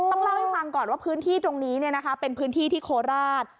ต้องเล่าให้ฟังก่อนว่าพื้นที่ตรงนี้เป็นพื้นที่ที่โคราช